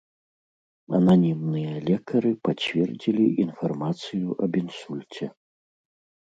Ананімныя лекары пацвердзілі інфармацыю аб інсульце.